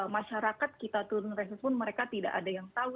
masyarakat kita turun reses pun mereka tidak ada yang tahu